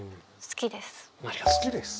「好きです」？